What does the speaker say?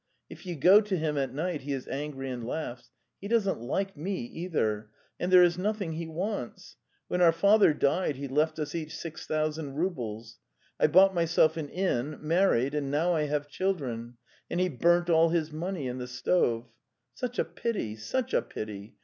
If you go to him at night he is angry and laughs. He doesn't like me either. ... And there is nothing he wants! When our father died he left us each six thousand roubles. I bought myself an inn, married, and now I have children; and he burnt all his money in the stove. Such a pity, such a pity!